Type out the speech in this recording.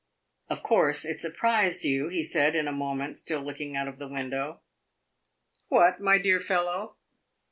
"Of course it surprised you," he said, in a moment, still looking out of the window. "What, my dear fellow?"